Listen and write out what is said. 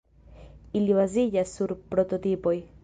Ili baziĝas sur prototipoj.